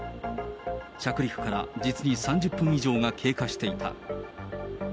着陸から実に３０分以上が経過していた。